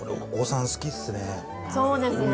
これ、そうですね。